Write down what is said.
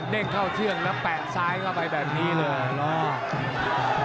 ่งเข้าเชือกแล้วแปะซ้ายเข้าไปแบบนี้เลย